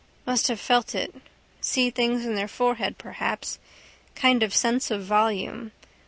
Must have felt it. See things in their forehead perhaps: kind of sense of volume.